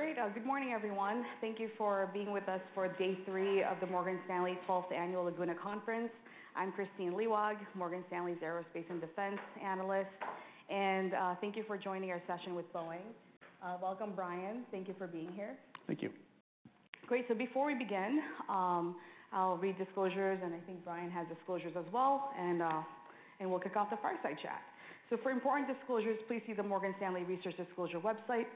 Great, good morning, everyone. Thank you for being with us for Day 3 of the Morgan Stanley 12th Annual Laguna Conference. I'm Kristine Liwag, Morgan Stanley's Aerospace and Defense Analyst, and, thank you for joining our session with Boeing. Welcome, Brian. Thank you for being here. Thank you. Great, so before we begin, I'll read disclosures, and I think Brian has disclosures as well, and we'll kick off the fireside chat. So for important disclosures, please see the Morgan Stanley Research Disclosure website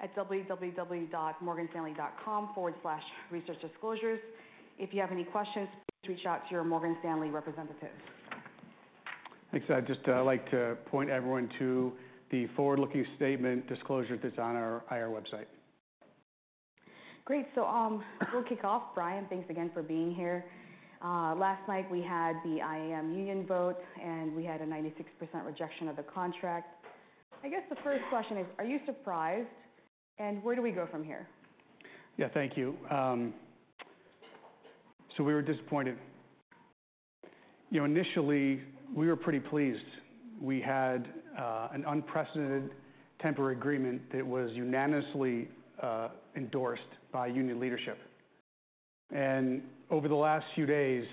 at www.morganstanley.com/researchdisclosures. If you have any questions, please reach out to your Morgan Stanley representative. Thanks. I'd just like to point everyone to the forward-looking statement disclosure that's on our IR website. Great. So, we'll kick off. Brian, thanks again for being here. Last night, we had the IAM union vote, and we had a 96% rejection of the contract. I guess the first question is, are you surprised, and where do we go from here? Yeah, thank you, so we were disappointed. You know, initially, we were pretty pleased. We had an unprecedented temporary agreement that was unanimously endorsed by union leadership, and over the last few days,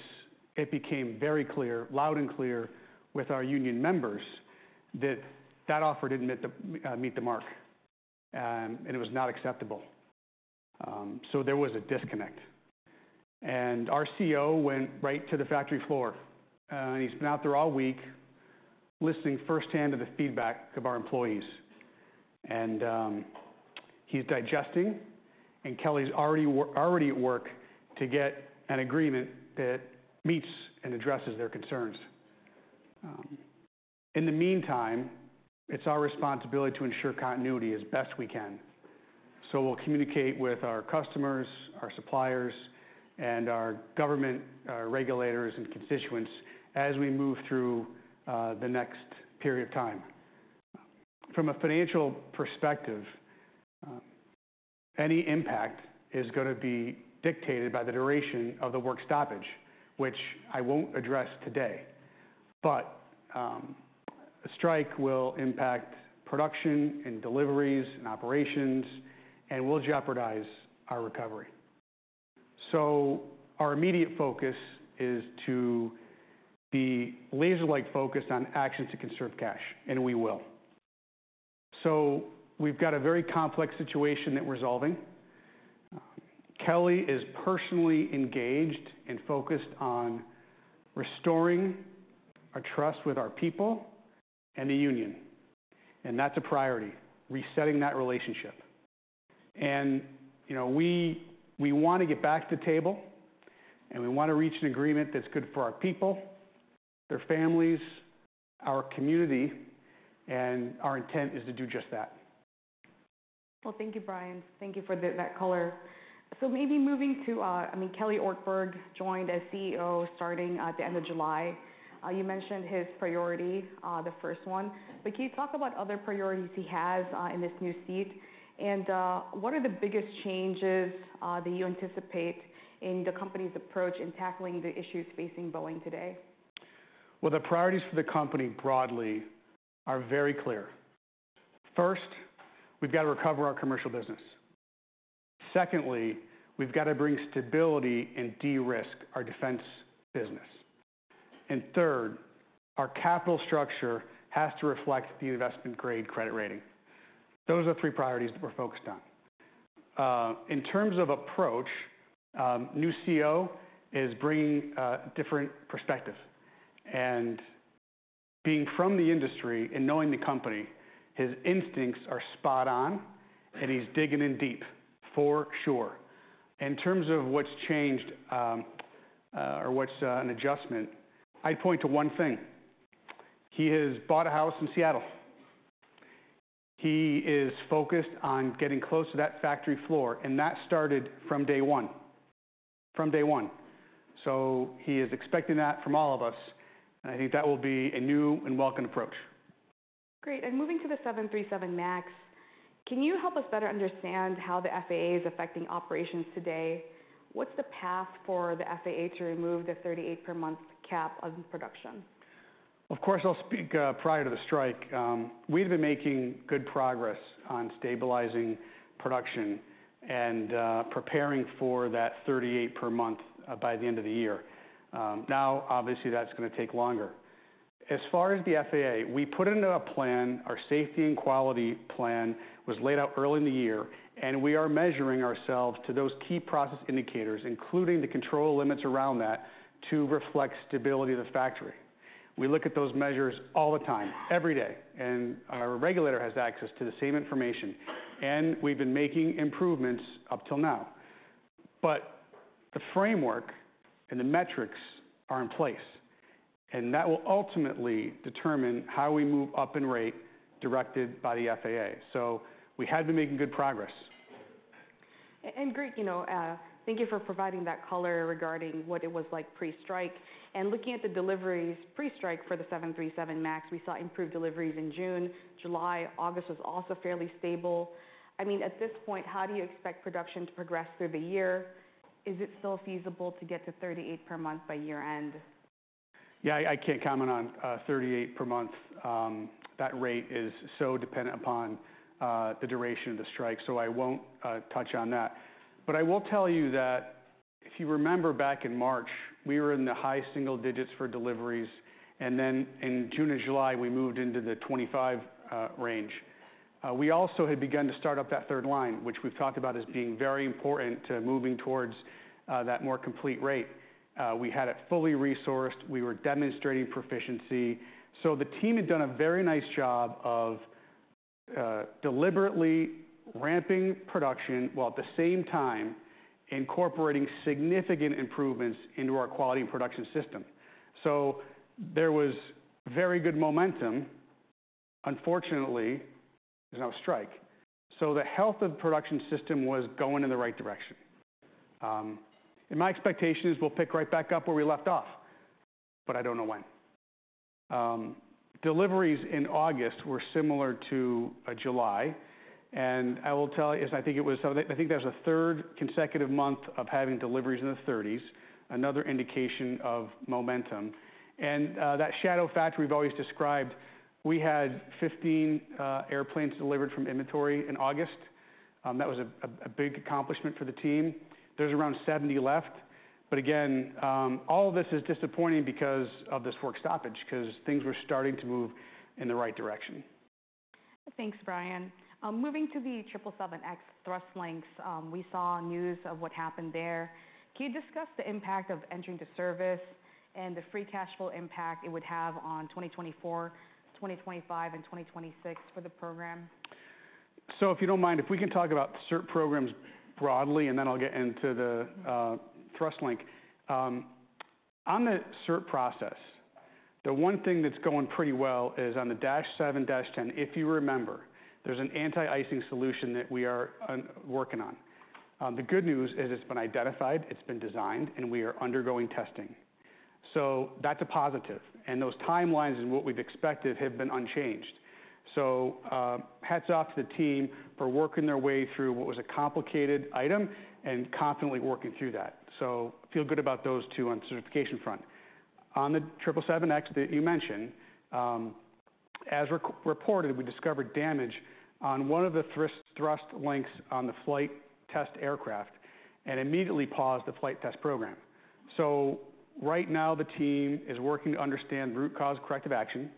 it became very clear, loud and clear, with our union members that that offer didn't meet the mark, and it was not acceptable, so there was a disconnect, and our CEO went right to the factory floor, and he's been out there all week, listening firsthand to the feedback of our employees, and he's digesting, and Kelly's already at work to get an agreement that meets and addresses their concerns. In the meantime, it's our responsibility to ensure continuity as best we can. So we'll communicate with our customers, our suppliers, and our government regulators, and constituents as we move through the next period of time. From a financial perspective, any impact is gonna be dictated by the duration of the work stoppage, which I won't address today. But a strike will impact production and deliveries and operations and will jeopardize our recovery. So our immediate focus is to be laser-like focused on actions to conserve cash, and we will. So we've got a very complex situation that we're resolving. Kelly is personally engaged and focused on restoring a trust with our people and the union, and that's a priority, resetting that relationship. And you know, we want to get back to the table, and we want to reach an agreement that's good for our people, their families, our community, and our intent is to do just that. Thank you, Brian. Thank you for that color. Maybe moving to... I mean, Kelly Ortberg joined as CEO, starting at the end of July. You mentioned his priority, the first one, but can you talk about other priorities he has in this new seat? What are the biggest changes that you anticipate in the company's approach in tackling the issues facing Boeing today? The priorities for the company broadly are very clear. First, we've got to recover our commercial business. Secondly, we've got to bring stability and de-risk our defense business. And third, our capital structure has to reflect the investment-grade credit rating. Those are the three priorities that we're focused on. In terms of approach, new CEO is bringing different perspectives, and being from the industry and knowing the company, his instincts are spot on, and he's digging in deep, for sure. In terms of what's changed, or what's an adjustment, I'd point to one thing. He has bought a house in Seattle. He is focused on getting close to that factory floor, and that started from day one, from day one. So he is expecting that from all of us, and I think that will be a new and welcome approach. Great, and moving to the 737 MAX, can you help us better understand how the FAA is affecting operations today? What's the path for the FAA to remove the 38 per month cap on production? Of course, I'll speak prior to the strike. We've been making good progress on stabilizing production and preparing for that thirty-eight per month by the end of the year. Now, obviously, that's gonna take longer. As far as the FAA, we put into a plan, our safety and quality plan was laid out early in the year, and we are measuring ourselves to those key process indicators, including the control limits around that, to reflect stability of the factory. We look at those measures all the time, every day, and our regulator has access to the same information, and we've been making improvements up till now. But the framework and the metrics are in place, and that will ultimately determine how we move up in rate, directed by the FAA. So we had been making good progress. Great, you know, thank you for providing that color regarding what it was like pre-strike. Looking at the deliveries pre-strike for the 737 MAX, we saw improved deliveries in June, July. August was also fairly stable. I mean, at this point, how do you expect production to progress through the year? Is it still feasible to get to 38 per month by year-end?... Yeah, I can't comment on 38 per month. That rate is so dependent upon the duration of the strike, so I won't touch on that. But I will tell you that if you remember back in March, we were in the high single digits for deliveries, and then in June and July, we moved into the 25 range. We also had begun to start up that third line, which we've talked about as being very important to moving towards that more complete rate. We had it fully resourced. We were demonstrating proficiency. So the team had done a very nice job of deliberately ramping production, while at the same time, incorporating significant improvements into our quality and production system. So there was very good momentum. Unfortunately, there's now a strike, so the health of the production system was going in the right direction. And my expectation is we'll pick right back up where we left off, but I don't know when. Deliveries in August were similar to July, and I will tell you, as I think it was, so I think that was the third consecutive month of having deliveries in the thirties, another indication of momentum. And, that shadow factory we've always described, we had 15 airplanes delivered from inventory in August. That was a big accomplishment for the team. There's around 70 left, but again, all this is disappointing because of this work stoppage, because things were starting to move in the right direction. Thanks, Brian. Moving to the 777X thrust link, we saw news of what happened there. Can you discuss the impact of entry into service and the free cash flow impact it would have on 2024, 2025, and 2026 for the program? So if you don't mind, if we can talk about cert programs broadly, and then I'll get into the thrust link. On the cert process, the one thing that's going pretty well is on the Dash 7, Dash 10, if you remember, there's an anti-icing solution that we are working on. The good news is it's been identified, it's been designed, and we are undergoing testing. So that's a positive, and those timelines and what we've expected have been unchanged. So, hats off to the team for working their way through what was a complicated item and confidently working through that. So feel good about those two on certification front. On the 777X that you mentioned, as reported, we discovered damage on one of the thrust links on the flight test aircraft and immediately paused the flight test program. So right now the team is working to understand the root cause, corrective action,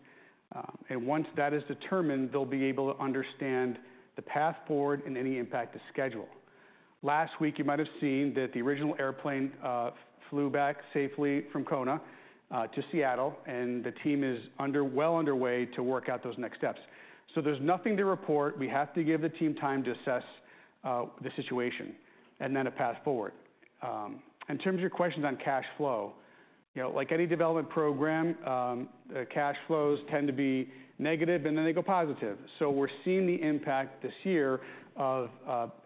and once that is determined, they'll be able to understand the path forward and any impact to schedule. Last week, you might have seen that the original airplane flew back safely from Kona to Seattle, and the team is well underway to work out those next steps. So there's nothing to report. We have to give the team time to assess the situation and then a path forward. In terms of your questions on cash flow, you know, like any development program, the cash flows tend to be negative, and then they go positive. So we're seeing the impact this year of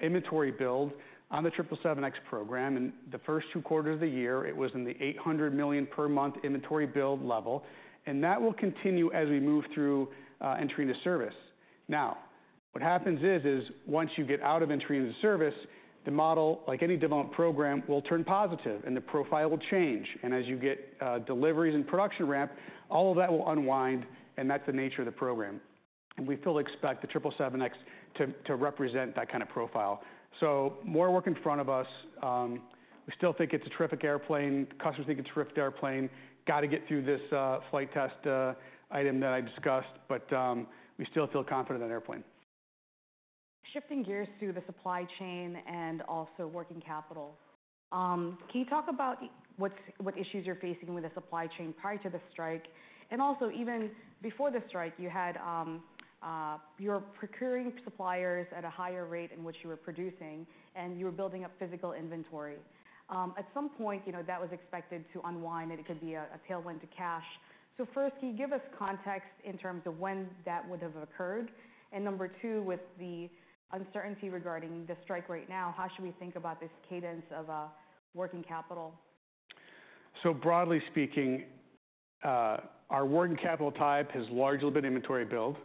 inventory build on the 777X program. In the first two quarters of the year, it was in the $800 million per month inventory build level, and that will continue as we move through entry into service. Now, what happens is once you get out of entry into service, the model, like any development program, will turn positive and the profile will change, and as you get deliveries and production ramp, all of that will unwind, and that's the nature of the program. We still expect the 777X to represent that kind of profile. So more work in front of us. We still think it's a terrific airplane. Customers think it's a terrific airplane. Got to get through this flight test item that I discussed, but we still feel confident in that airplane. Shifting gears to the supply chain and also working capital. Can you talk about what, what issues you're facing with the supply chain prior to the strike? And also, even before the strike, you had, you were procuring suppliers at a higher rate in which you were producing, and you were building up physical inventory. At some point, you know, that was expected to unwind, and it could be a, a tailwind to cash. So first, can you give us context in terms of when that would have occurred? And number two, with the uncertainty regarding the strike right now, how should we think about this cadence of, working capital? So broadly speaking, our working capital type has largely been inventory build,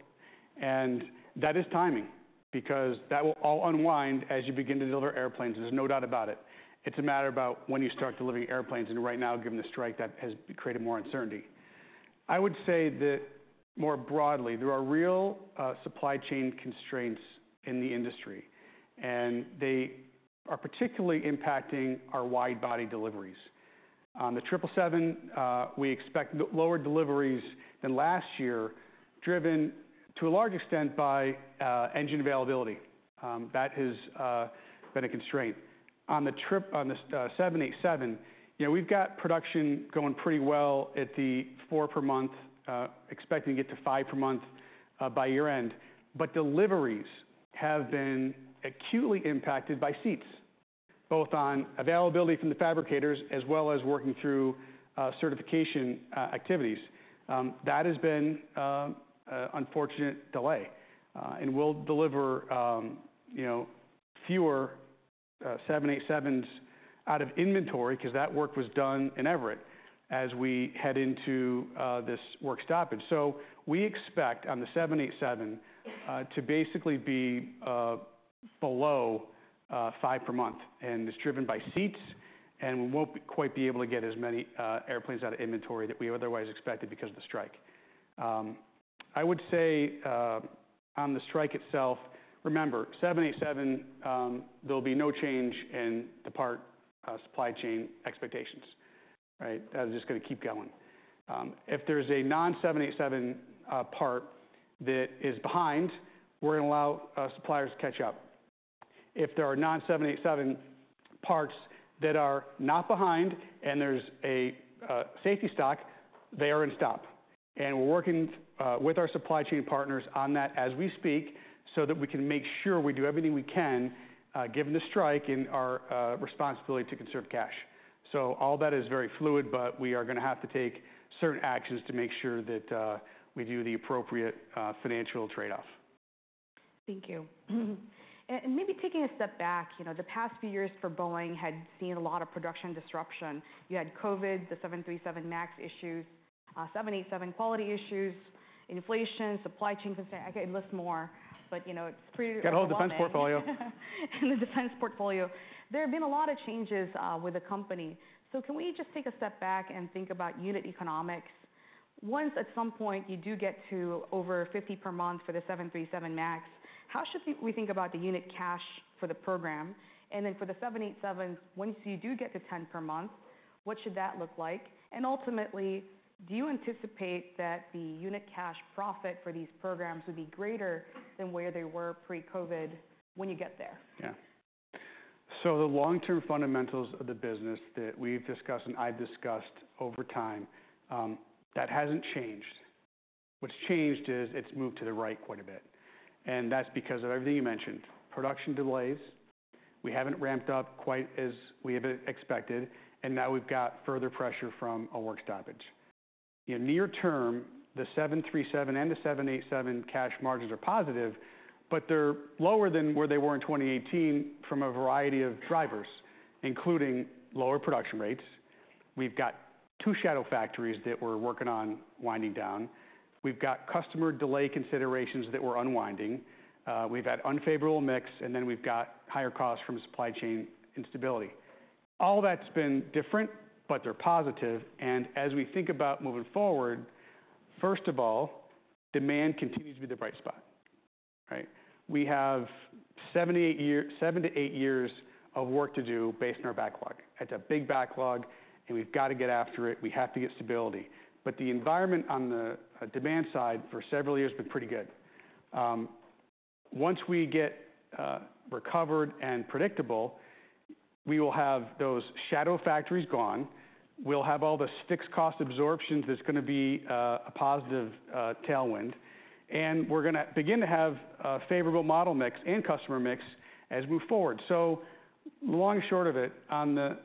and that is timing because that will all unwind as you begin to deliver airplanes, there's no doubt about it. It's a matter about when you start delivering airplanes, and right now, given the strike, that has created more uncertainty. I would say that more broadly, there are real supply chain constraints in the industry, and they are particularly impacting our wide-body deliveries. The 777, we expect lower deliveries than last year, driven to a large extent by engine availability. That has been a constraint. On the 787, you know, we've got production going pretty well at the four per month, expecting to get to five per month by year-end. But deliveries have been acutely impacted by seats, both on availability from the fabricators as well as working through certification activities. That has been an unfortunate delay, and we'll deliver you know fewer 787s out of inventory because that work was done in Everett as we head into this work stoppage. So we expect on the 787 to basically be below five per month, and it's driven by seats, and we won't be quite able to get as many airplanes out of inventory that we otherwise expected because of the strike. I would say on the strike itself, remember 787 there'll be no change in the part supply chain expectations, right? That is just going to keep going. If there's a non-787 part that is behind, we're going to allow suppliers to catch up. If there are non-787 parts that are not behind and there's a safety stock, they're in stock, and we're working with our supply chain partners on that as we speak, so that we can make sure we do everything we can, given the strike and our responsibility to conserve cash, so all that is very fluid, but we are going to have to take certain actions to make sure that we do the appropriate financial trade-off. Thank you, and maybe taking a step back, you know, the past few years for Boeing had seen a lot of production disruption. You had COVID, the 737 MAX issues, 787 quality issues, inflation, supply chain concerns. I could list more, but, you know, it's pretty- Got a whole defense portfolio. The defense portfolio. There have been a lot of changes with the company. So can we just take a step back and think about unit economics? Once, at some point, you do get to over 50 per month for the 737 MAX, how should we think about the unit cash for the program? And then for the 787, once you do get to 10 per month, what should that look like? And ultimately, do you anticipate that the unit cash profit for these programs would be greater than where they were pre-COVID when you get there? Yeah. So the long-term fundamentals of the business that we've discussed and I've discussed over time, that hasn't changed. What's changed is it's moved to the right quite a bit, and that's because of everything you mentioned. Production delays, we haven't ramped up quite as we have expected, and now we've got further pressure from a work stoppage. In the near term, the 737 and the 787 cash margins are positive, but they're lower than where they were in 2018 from a variety of drivers, including lower production rates. We've got two shadow factories that we're working on winding down. We've got customer delay considerations that we're unwinding. We've had unfavorable mix, and then we've got higher costs from supply chain instability. All that's been different, but they're positive. And as we think about moving forward, first of all, demand continues to be the bright spot, right? We have seven to eight years of work to do based on our backlog. That's a big backlog, and we've got to get after it. We have to get stability. But the environment on the demand side for several years has been pretty good. Once we get recovered and predictable, we will have those shadow factories gone. We'll have all the fixed cost absorptions that's going to be a positive tailwind, and we're going to begin to have a favorable model mix and customer mix as we move forward. So long and short of it, on the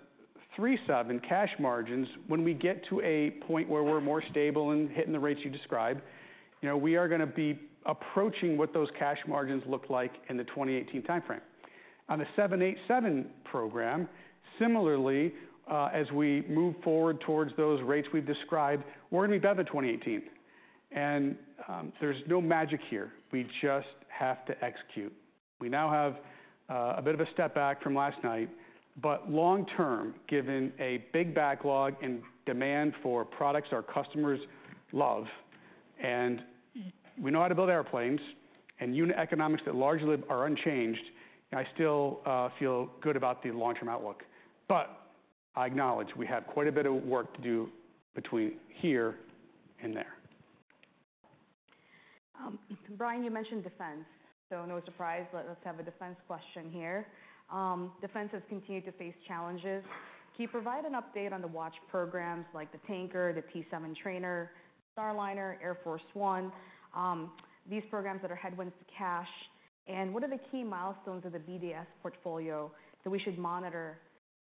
737 and cash margins, when we get to a point where we're more stable and hitting the rates you described, you know, we are going to be approaching what those cash margins looked like in the 2018 timeframe. On the 787 program, similarly, as we move forward towards those rates we've described, we're going to be better than 2018, and, there's no magic here. We just have to execute. We now have, a bit of a step back from last night, but long term, given a big backlog and demand for products our customers love, and we know how to build airplanes and unit economics that largely are unchanged, I still, feel good about the long-term outlook. But I acknowledge we have quite a bit of work to do between here and there. Brian, you mentioned defense, so no surprise, let's have a defense question here. Defense has continued to face challenges. Can you provide an update on the watch programs like the Tanker, the T-7 Trainer, Starliner, Air Force One, these programs that are headwinds to cash, and what are the key milestones of the BDS portfolio that we should monitor,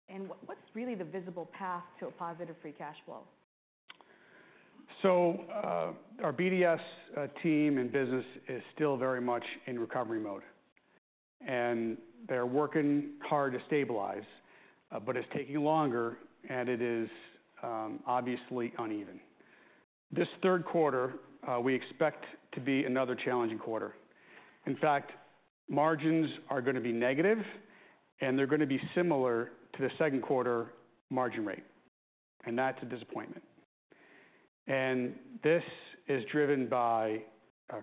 and what's really the visible path to a positive free cash flow? Our BDS team and business is still very much in recovery mode, and they're working hard to stabilize, but it's taking longer, and it is obviously uneven. This third quarter, we expect to be another challenging quarter. In fact, margins are going to be negative, and they're going to be similar to the second quarter margin rate, and that's a disappointment. This is driven by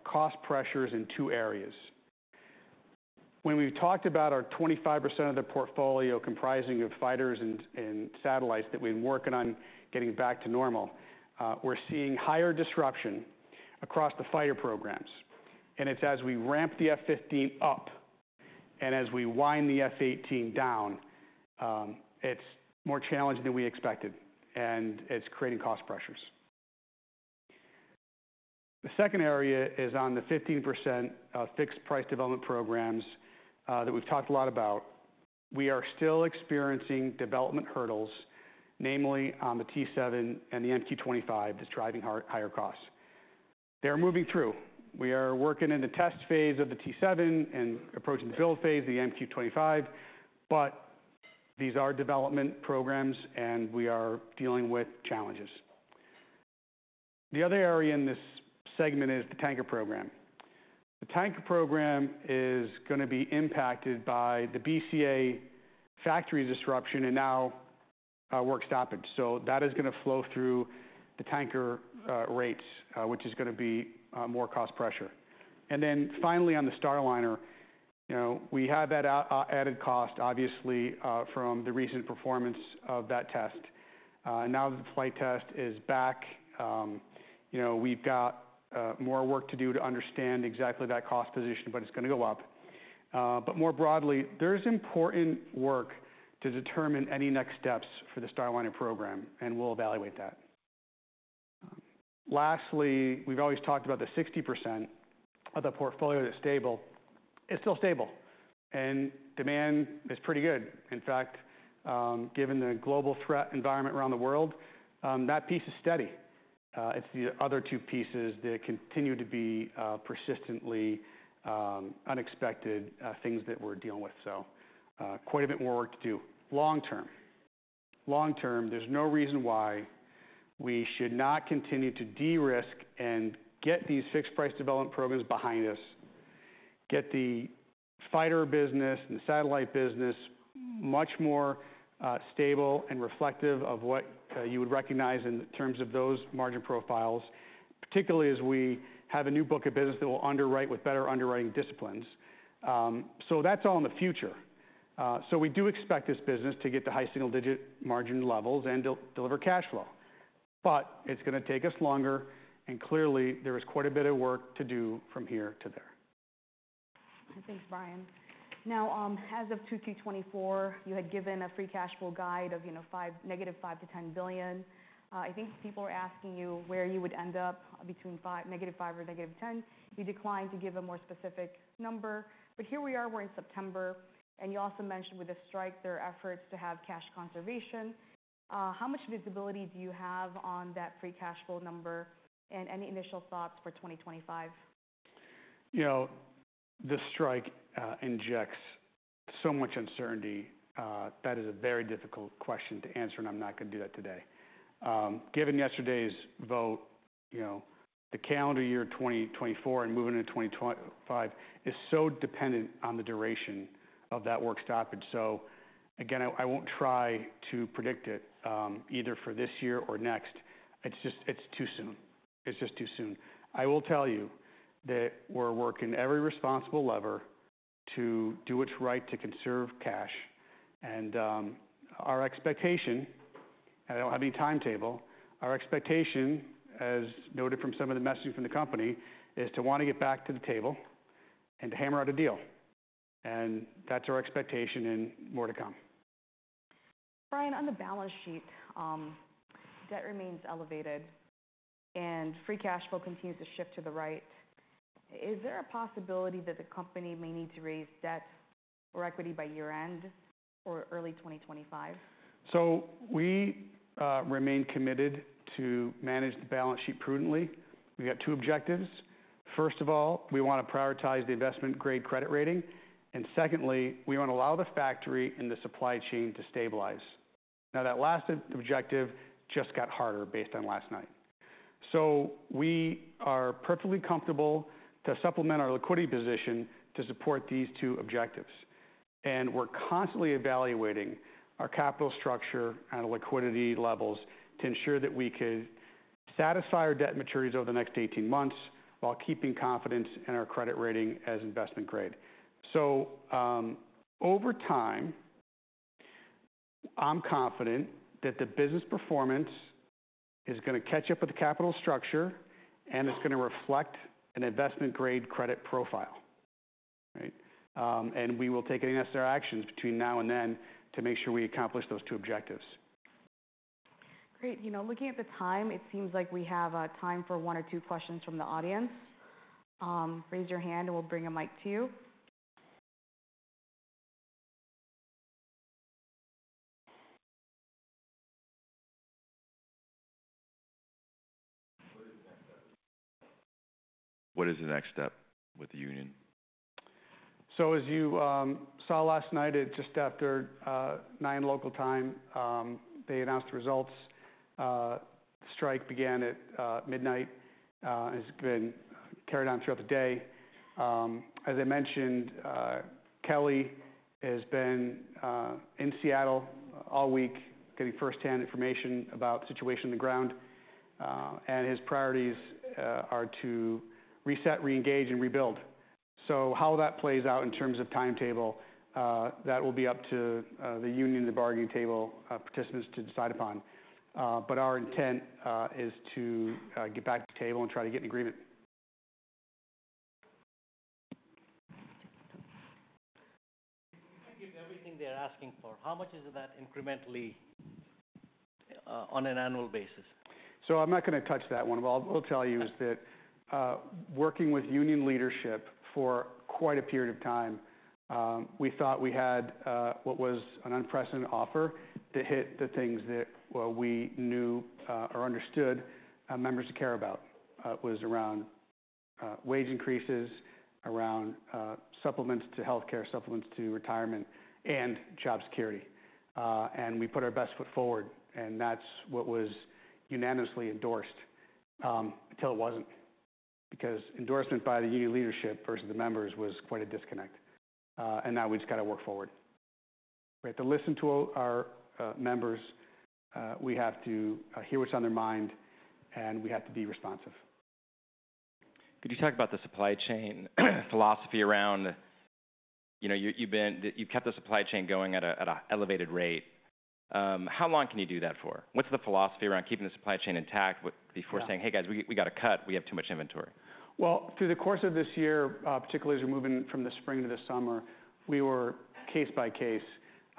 cost pressures in two areas. When we've talked about our 25% of the portfolio comprising of fighters and satellites that we've been working on getting back to normal, we're seeing higher disruption across the fighter programs, and it's as we ramp the F-15 up and as we wind the F-18 down, it's more challenging than we expected, and it's creating cost pressures. The second area is on the 15%, fixed price development programs, that we've talked a lot about. We are still experiencing development hurdles, namely on the T-7 and the MQ-25, that's driving higher costs. They are moving through. We are working in the test phase of the T-7 and approaching the build phase, the MQ-25, but these are development programs, and we are dealing with challenges. The other area in this segment is the tanker program. The tanker program is going to be impacted by the BCA factory disruption and now, work stoppage. So that is going to flow through the tanker, rates, which is going to be, more cost pressure. And then finally, on the Starliner, you know, we have that added cost, obviously, from the recent performance of that test. Now that the flight test is back, you know, we've got more work to do to understand exactly that cost position, but it's going to go up. But more broadly, there's important work to determine any next steps for the Starliner program, and we'll evaluate that. Lastly, we've always talked about the 60% of the portfolio that's stable. It's still stable, and demand is pretty good. In fact, given the global threat environment around the world, that piece is steady. It's the other two pieces that continue to be persistently unexpected things that we're dealing with, so quite a bit more work to do. Long term. Long term, there's no reason why we should not continue to de-risk and get these fixed-price development programs behind us, get the fighter business and the satellite business much more stable and reflective of what you would recognize in terms of those margin profiles, particularly as we have a new book of business that will underwrite with better underwriting disciplines. So that's all in the future. So we do expect this business to get to high single-digit margin levels and deliver cash flow. But it's going to take us longer, and clearly, there is quite a bit of work to do from here to there. Thanks, Brian. Now, as of 2024, you had given a free cash flow guide of, you know, negative $5 billion-$10 billion. I think people are asking you where you would end up between five, negative five or negative ten. You declined to give a more specific number, but here we are, we're in September, and you also mentioned with the strike, there are efforts to have cash conservation. How much visibility do you have on that free cash flow number, and any initial thoughts for 2025? You know, the strike injects so much uncertainty. That is a very difficult question to answer, and I'm not going to do that today. Given yesterday's vote, you know, the calendar year 2024 and moving into 2025 is so dependent on the duration of that work stoppage. So again, I won't try to predict it, either for this year or next. It's just, it's too soon. It's just too soon. I will tell you that we're working every responsible lever to do what's right to conserve cash and, our expectation, and I don't have any timetable, our expectation, as noted from some of the messaging from the company, is to want to get back to the table and to hammer out a deal, and that's our expectation and more to come. Brian, on the balance sheet, debt remains elevated and free cash flow continues to shift to the right. Is there a possibility that the company may need to raise debt or equity by year-end or early 2025? So we remain committed to manage the balance sheet prudently. We've got two objectives. First of all, we want to prioritize the investment-grade credit rating, and secondly, we want to allow the factory and the supply chain to stabilize. Now, that last objective just got harder based on last night. So we are perfectly comfortable to supplement our liquidity position to support these two objectives, and we're constantly evaluating our capital structure and liquidity levels to ensure that we can satisfy our debt maturities over the next eighteen months while keeping confidence in our credit rating as investment grade. So, over time, I'm confident that the business performance is going to catch up with the capital structure, and it's going to reflect an investment-grade credit profile. Right? And we will take any necessary actions between now and then to make sure we accomplish those two objectives. Great. You know, looking at the time, it seems like we have time for one or two questions from the audience. Raise your hand, and we'll bring a mic to you. What is the next step with the union? So as you saw last night at just after 9:00PM local time, they announced the results. The strike began at midnight, and has been carried on throughout the day. As I mentioned, Kelly has been in Seattle all week, getting firsthand information about the situation on the ground, and his priorities are to reset, reengage, and rebuild. So how that plays out in terms of timetable, that will be up to the union, the bargaining table participants to decide upon. But our intent is to get back to the table and try to get an agreement. If you give everything they're asking for, how much is that incrementally, on an annual basis? So I'm not going to touch that one. What I'll tell you is that, working with union leadership for quite a period of time, we thought we had what was an unprecedented offer to hit the things that, well, we knew or understood our members to care about. It was around wage increases, around supplements to healthcare, supplements to retirement, and job security. And we put our best foot forward, and that's what was unanimously endorsed until it wasn't. Because endorsement by the union leadership versus the members was quite a disconnect. And now we've just got to work forward. We have to listen to all our members, we have to hear what's on their mind, and we have to be responsive. Could you talk about the supply chain philosophy around, you know, you've kept the supply chain going at an elevated rate. How long can you do that for? What's the philosophy around keeping the supply chain intact with- Yeah Before saying, "Hey, guys, we got to cut, we have too much inventory? Through the course of this year, particularly as we're moving from the spring to the summer, we were case by case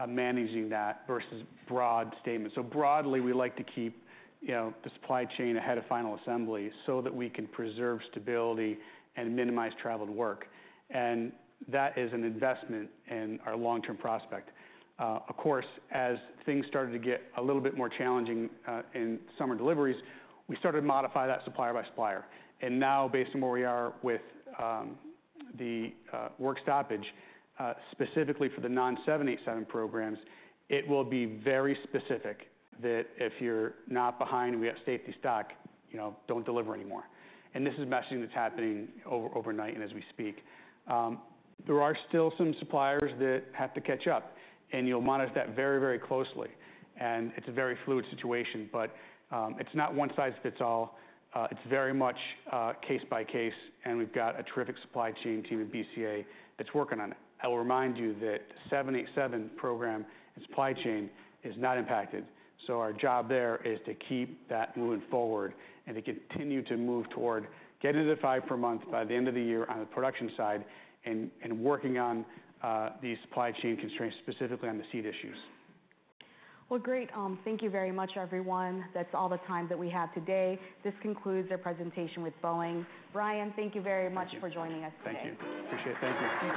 managing that versus broad statements. Broadly, we like to keep, you know, the supply chain ahead of final assembly so that we can preserve stability and minimize travel to work. That is an investment in our long-term prospect. Of course, as things started to get a little bit more challenging in summer deliveries, we started to modify that supplier by supplier. Now, based on where we are with the work stoppage, specifically for the non-787 programs, it will be very specific that if you're not behind and we have safety stock, you know, don't deliver anymore. This is messaging that's happening overnight and as we speak. There are still some suppliers that have to catch up, and you'll monitor that very, very closely, and it's a very fluid situation. But, it's not one size fits all. It's very much case by case, and we've got a terrific supply chain team at BCA that's working on it. I will remind you that the seven eight seven program and supply chain is not impacted, so our job there is to keep that moving forward and to continue to move toward getting to the five per month by the end of the year on the production side and working on the supply chain constraints, specifically on the seat issues. Well, great. Thank you very much, everyone. That's all the time that we have today. This concludes our presentation with Boeing. Brian, thank you very much for joining us today. Thank you. Appreciate it. Thank you.